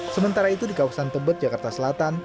sementara itu di kawasan tebet jakarta selatan